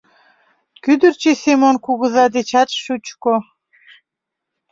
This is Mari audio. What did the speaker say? Кӱдырчӧ Семон кугыза дечат шучко...